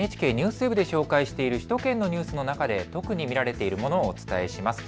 ＮＨＫＮＥＷＳＷＥＢで紹介している首都圏のニュースの中で特に見られているものをお伝えします。